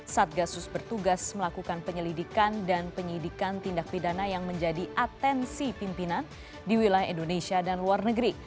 satgasus bertugas melakukan penyelidikan dan penyidikan tindak pidana yang menjadi atensi pimpinan di wilayah indonesia dan luar negeri